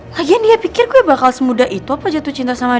lagian dia pikir gue bakal semudah itu apa jatuh cinta sama dia